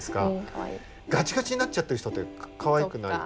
ガチガチになっちゃってる人ってかわいくない。